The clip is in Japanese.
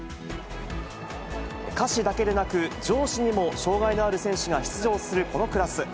下肢だけでなく、上肢にも障がいのある選手が出場するこのクラス。